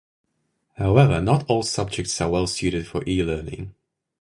However, not all subjects are well-suited for e-learning.